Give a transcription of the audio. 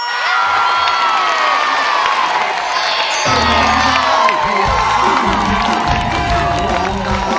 ไม่คุยคุยคุยคุยกับร้องตา